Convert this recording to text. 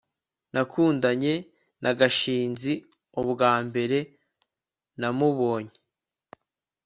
nakundanye na gashinzi ubwambere namubonye